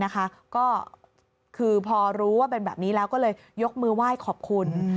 ก็คือพอรู้ว่าเป็นแบบนี้แล้วก็เลยยกมือไหว้ขอบคุณ